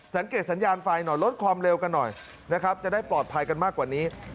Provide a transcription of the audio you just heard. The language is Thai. สัญญาณไฟหน่อยลดความเร็วกันหน่อยนะครับจะได้ปลอดภัยกันมากกว่านี้